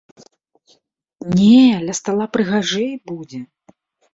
Не, ля стала прыгажэй будзе!